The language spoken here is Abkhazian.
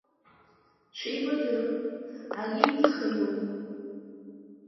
Шәеибадыр, ари Миха иоуп!